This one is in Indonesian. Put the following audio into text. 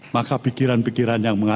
maka pikiran pikiran yang mengatakan